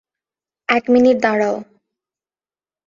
এক মিনিট দাঁড়াও।